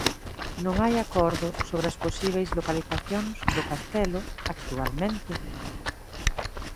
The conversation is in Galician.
Non hai acordo sobre as posíbeis localizacións do castelo actualmente.